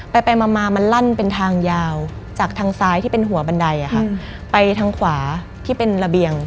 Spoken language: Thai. ไปไปมามันลั่นเป็นทางยาวจากทางซ้ายที่เป็นหัวบันไดไปทางขวาที่เป็นระเบียง